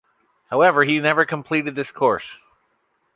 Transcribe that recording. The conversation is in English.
However, he never completed this course.